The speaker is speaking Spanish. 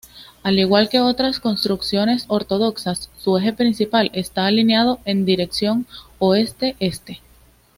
Al igual que otras construcciones ortodoxas, su eje principal está alineado en dirección oeste-este.